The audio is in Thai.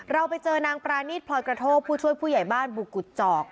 เราไปเจอนางปรานีตพลอยกระโทกผู้ช่วยผู้ใหญ่บ้านบุกุฎจอก